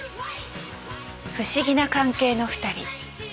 不思議な関係の２人。